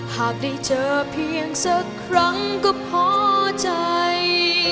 หากได้เจอเพียงสักครั้งก็พอใจ